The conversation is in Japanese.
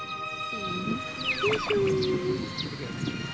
よいしょー。